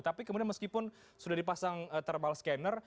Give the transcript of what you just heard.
tapi kemudian meskipun sudah dipasang thermal scanner